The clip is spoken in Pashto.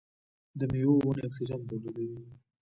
د میوو ونې اکسیجن تولیدوي.